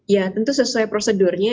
ya tentu sesuai prosedurnya